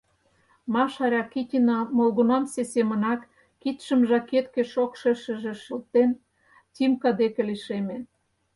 Маша Ракитина молгунамсе семынак кидшым жакетке шокшешыже шылтен, Тимка деке лишеме.